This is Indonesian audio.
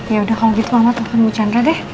ya udah kalau gitu mama telepon bu chandra deh